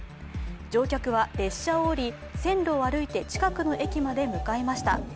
乗客は列車を降り、線路を歩いて近くの駅まで向かいました。